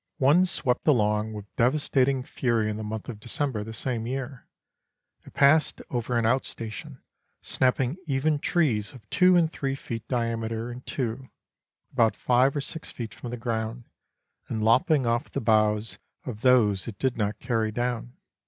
One swept along with de vastating fury in the month of December the same year. It passed over an out station, snapping even trees of two and three feet diameter in two, about five or six feet from the ground, and lop ping off the boughs of those it did not carry down.